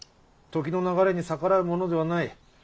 時の流れに逆らうものではない。